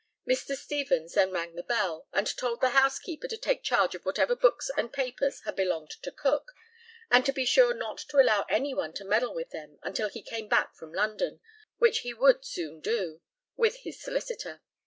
Mr. Stevens then rang the bell, and told the housekeeper to take charge of whatever books and papers had belonged to Cook, and to be sure not to allow any one to meddle with them until he came back from London, which he would soon do, with his solicitor.